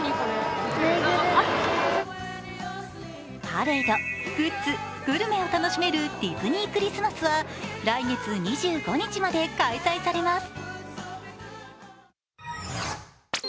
パレード、グッズ、グルメを楽しめるディズニー・クリスマスは来月２５日まで開催されます。